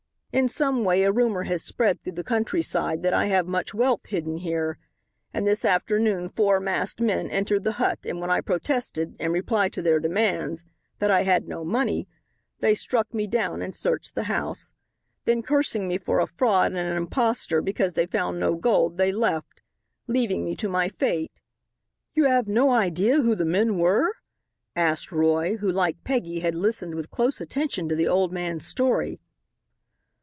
"In some way a rumor has spread through the countryside that I have much wealth hidden here, and this afternoon four masked men entered the hut and when I protested, in reply to their demands, that I had no money, they struck me down and searched the house. Then cursing me for a fraud and an impostor because they found no gold they left, leaving me to my fate." "You have no idea who the men were?" asked Roy who, like Peggy, had listened with close attention to the old man's story.